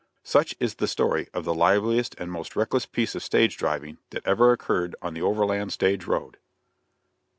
Such is the story of the liveliest and most reckless piece of stage driving that ever occurred on the Overland stage road.